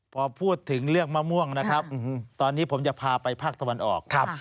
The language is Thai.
พอพูดถึงเรื่องมะม่วงนะครับตอนนี้ผมจะพาไปภาคตะวันออก